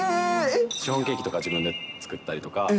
シフォンケーキとか自分で作ったりとか。